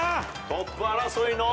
トップ争いの今ね